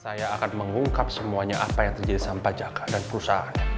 saya akan mengungkap semuanya apa yang terjadi sampai jaga dan perusahaan